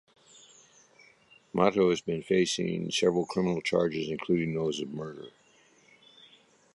Mahto has been facing several criminal charges including those of murder.